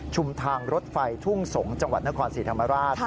ชุมทางรถไฟทุ่งสงฯจังหวัดนครสิริธรรมราช